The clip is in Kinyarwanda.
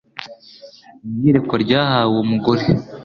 mu iyerekwa ryahawe uwo mugore